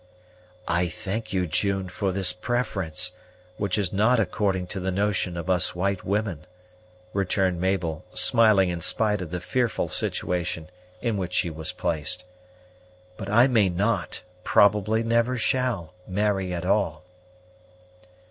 "I thank you, June, for this preference, which is not according to the notion of us white women," returned Mabel, smiling in spite of the fearful situation in which she was placed; "but I may not, probably never shall, marry at all."